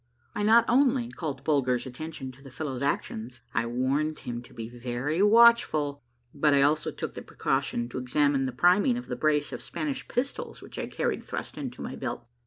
I not only called Bulger's attention to the fellow's actions, and warned him to be very watchful, but I also took the precau tion to examine the priming of the brace of Spanish pistols which I carried thrust into my belt.